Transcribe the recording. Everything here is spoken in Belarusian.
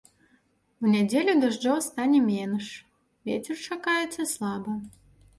У нядзелю дажджоў стане менш, вецер чакаецца слабы.